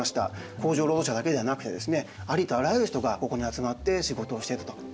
工場労働者だけではなくてですねありとあらゆる人がここに集まって仕事をしていたということですね。